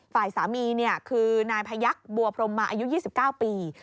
ฝ่ายสามีคือนายพยักษ์บัวพรมมาอายุ๒๙ปี